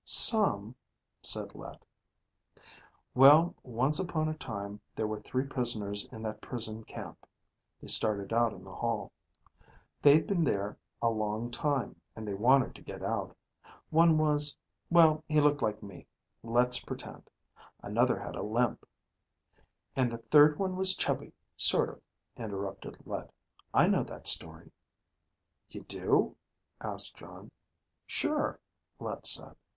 "Some," said Let. "Well, once upon a time, there were three prisoners in that prison camp." They started out in the hall. "They'd been there a long time, and they wanted to get out. One was ... well, he looked like me, let's pretend. Another had a limp ..." "And the third one was chubby, sort of," interrupted Let. "I know that story." "You do?" asked Jon. "Sure," Let said.